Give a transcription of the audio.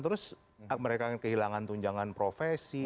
terus mereka yang kehilangan tunjangan profesi